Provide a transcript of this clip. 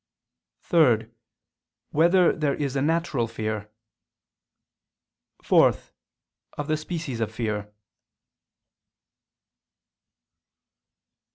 (3) Whether there is a natural fear? (4) Of the species of fear.